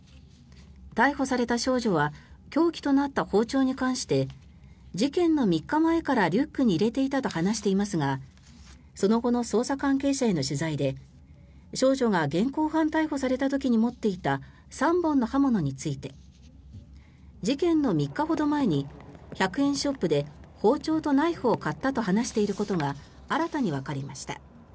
逮捕された少女は凶器となった包丁に関して事件の３日前からリュックに入れていたと話していますがその後の捜査関係者への取材で少女が現行犯逮捕された時に持っていた３本の刃物について事件の３日ほど前に１００円ショップで包丁とナイフを買ったと話していることが新たにわかりました。